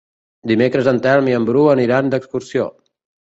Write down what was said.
Dimecres en Telm i en Bru aniran d'excursió.